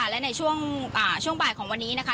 และในช่วงบ่ายของวันนี้นะคะ